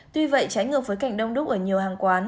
tuy vậy trái ngược với cảnh đông đúc ở nhiều hàng quán